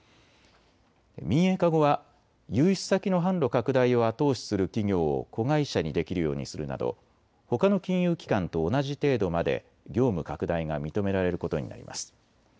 民営化後は融資先の販路拡大を後押しする企業を子会社にできるようにするなどほかの金融機関と同じ程度まで業務拡大が認められることになります。